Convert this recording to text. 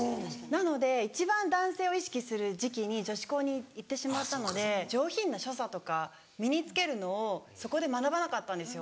なので一番男性を意識する時期に女子校に行ってしまったので上品な所作とか身に付けるのをそこで学ばなかったんですよ。